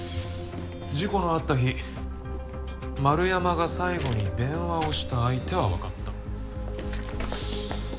事故のあった日円山が最後に電話をした相手はわかった。